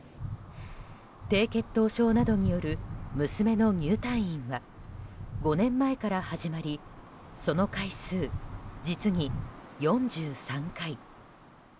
低血糖症などによる娘の入退院は５年前から始まりその回数、実に４３回。